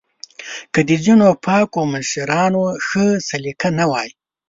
که د ځینو پاکو مشرانو ښه سلیقه نه وای